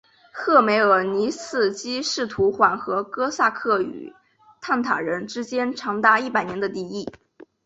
赫梅尔尼茨基试图缓和哥萨克与鞑靼人之间长达一百年的敌意。